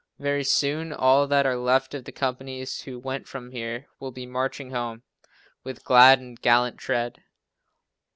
Very soon, all that are left of the companies, who went from here, will be marching home, "with glad and gallant tread."